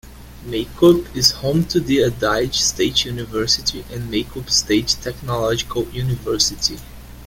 Maykop is home to the Adyghe State University and Maykop State Technological University.